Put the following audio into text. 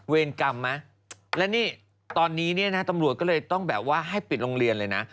เวรกรรมไหมและนี่ตอนนี้เนี่ยนะตำรวจก็เลยต้องแบบว่าให้ปิดโรงเรียนเลยนะ